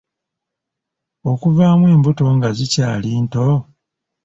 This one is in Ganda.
Okuvaamu embuto nga zikyali nto?